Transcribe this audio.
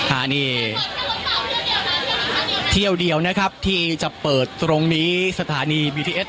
อันนี้เที่ยวเดียวนะครับที่จะเปิดตรงนี้สถานีบีทีเอส